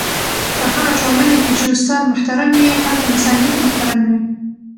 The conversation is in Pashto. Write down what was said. په هره ټولنه کي چي استاد محترم وي، هلته انسانیت محترم وي..